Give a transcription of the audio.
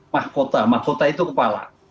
mahkota mahkota itu kepala